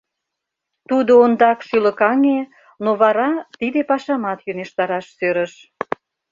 Тудо ондак шӱлыкаҥе, но вара тиде пашамат йӧнештараш сӧрыш.